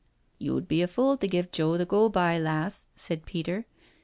" You'd be a fool to give Joe the go by, lass," said Peter.